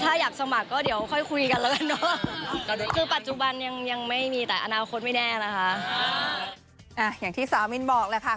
ถ้าอยากสมัครก็เดี๋ยวค่อยคุยกันแล้วกันเนาะ